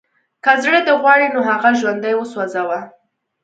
که زړه دې غواړي نو هغه ژوندی وسوځوه